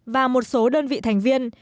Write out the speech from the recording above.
và một số đơn vị thành viên